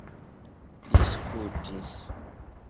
diskutis